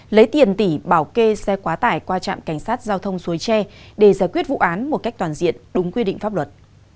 lấy tiền tỷ bảo kê xe quá tải qua trạm cảnh sát giao thông suối tre để giải quyết vụ án một cách toàn diện đúng quy định pháp luật